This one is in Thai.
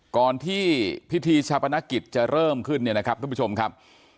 ก่อนที่พิธีชาปนกิจจะเริ่มขึ้นเนี่ยนะครับทุกผู้ชมครับ